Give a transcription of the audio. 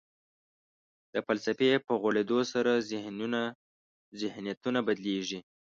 د فلسفې په غوړېدو سره ذهنیتونه بدلېږي.